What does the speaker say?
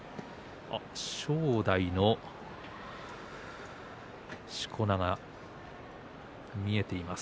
正代のしこ名が見えています。